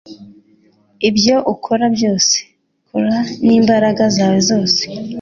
Ibyo ukora byose, kora n'imbaraga zawe zose.